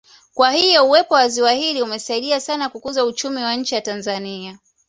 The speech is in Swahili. Kwa hiyo uwepo wa ziwa hili umesadia sana kukuza uchumi wa nchi ya Tanzania